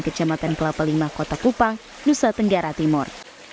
kecamatan kelapa lima kota kupang nusa tenggara timur